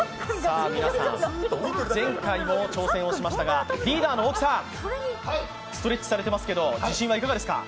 前回も挑戦しましたがリーダーの大木さん、ストレッチされてますけど、いかがですか？